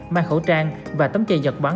mang khẩu trang và tấm chày nhật bắn